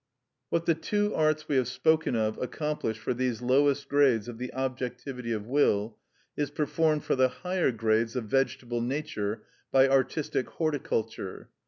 What the two arts we have spoken of accomplish for these lowest grades of the objectivity of will, is performed for the higher grades of vegetable nature by artistic horticulture.